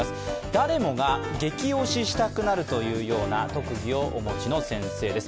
誰もがゲキ推ししたくなるというような特技をお持ちの先生です。